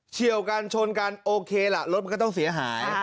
เชี่ยวกันชนกันโอเคล่ะรถมันก็ต้องเสียหาย